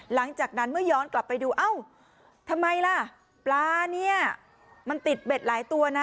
หลังจากนั้นเมื่อย้อนกลับไปดูเอ้าทำไมล่ะปลาเนี่ยมันติดเบ็ดหลายตัวนะ